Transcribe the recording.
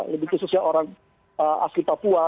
lebih khususnya orang asli papua